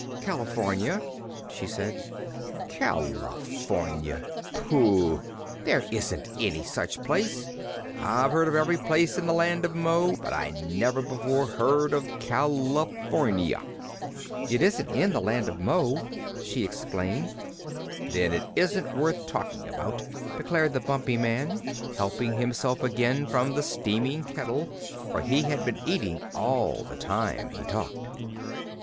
"California," she said. "California! Pooh! there isn't any such place. I've heard of every place in the Land of Mo, but I never before heard of California." "It isn't in the Land of Mo," she explained. "Then it isn't worth talking about," declared the Bumpy Man, helping himself again from the steaming kettle, for he had been eating all the time he talked.